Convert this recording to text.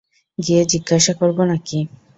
গিয়ে জিজ্ঞেস করবো নাকি?